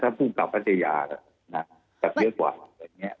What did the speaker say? ถ้าผู้กลับก็จะยาล่ะแต่เยอะกว่าอย่างนี้